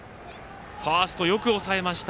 ファースト、よく抑えました。